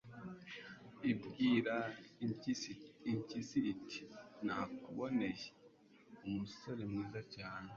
ibwira impyisi iti 'nakuboneye umusore mwiza cyane